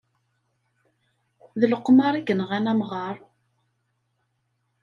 D leqmar i yenɣan amɣar.